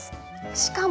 しかも。